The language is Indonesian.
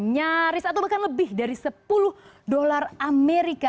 nyaris atau bahkan lebih dari sepuluh dolar amerika